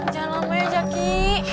jalan lama ya zeki